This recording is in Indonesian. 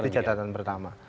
di catatan pertama